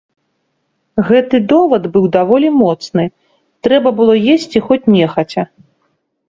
Гэты довад быў даволі моцны, трэба было есці, хоць нехаця.